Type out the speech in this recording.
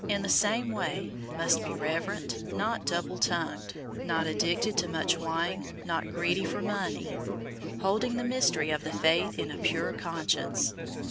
}, in the same way, must be reverent, not double tongued, not addicted to much wine, not greedy for money; 003:009 holding the mystery of the faith in a pure conscience.